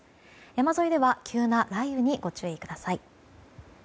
山沿いでは急な雷雨にご注意ください。